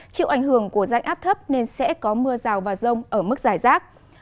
chịu ảnh hưởng của rãnh áp thấp nên sẽ có mưa rào và rông ở mức dài rác